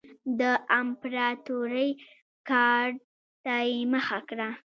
د امپراتورۍ ګارډ ته یې مخه کړه